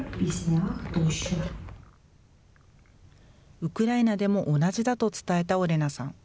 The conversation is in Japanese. ウクライナでも同じだと伝えたオレナさん。